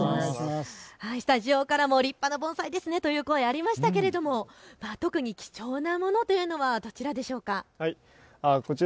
スタジオからも立派な盆栽ですねという声がありましたけれど、特に貴重なものというのはどちらでしょうか。